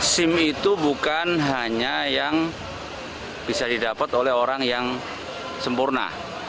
sim itu bukan hanya yang bisa didapat oleh orang yang sempurna